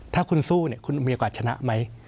ถ้าคุณสู้เนี่ยคุณมีโอกาสชนะไหม